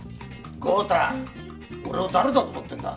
豪太俺を誰だと思ってんだ？